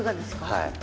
はい。